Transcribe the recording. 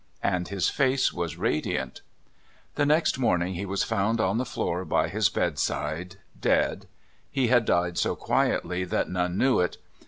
" And his face was radiant. The next morning he was found on the floor by his bedside — dead. He had died so quietly that none knew it.